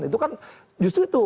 itu kan justru itu